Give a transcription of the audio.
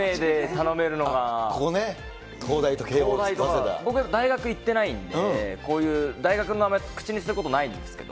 ここね、僕、大学行ってないんで、こういう大学の名前口にすることないんですけど。